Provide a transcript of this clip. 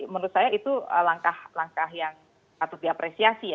menurut saya itu langkah langkah yang harus diapresiasi